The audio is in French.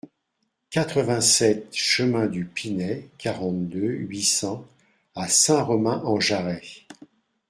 quatre-vingt-sept chemin du Pinay, quarante-deux, huit cents à Saint-Romain-en-Jarez